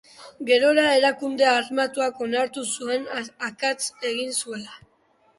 Gerora, erakunde armatuak onartu zuen akatsa egin zuela.